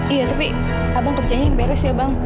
iya tapi abang kerjanya yang beres ya bang